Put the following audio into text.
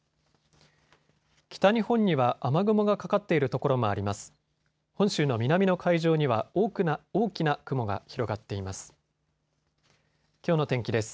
北日本には雨雲がかかっている所もあります。